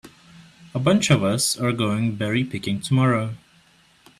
A bunch of us are going berry picking tomorrow.